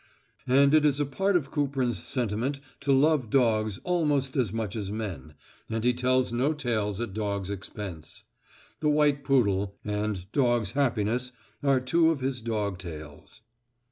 And it is part of Kuprin's sentiment to love dogs almost as much as men, and he tells no tales at dogs' expense. "The White Poodle" and "Dogs' Happiness" are two of his dog tales.